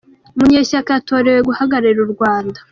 Munyeshyaka yatorewe guhagararira u’Rrwanda